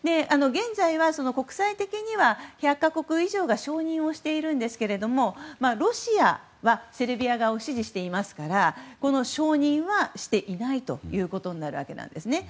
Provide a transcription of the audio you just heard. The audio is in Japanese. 現在は国際的には１００か国以上が承認をしているんですがロシアはセルビア側を支持していますからこれを承認はしていないことになります。